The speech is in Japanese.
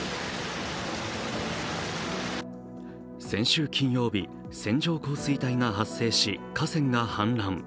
先週金曜日、線状降水帯が発生し河川が氾濫。